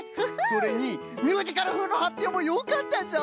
それにミュージカルふうのはっぴょうもよかったぞ！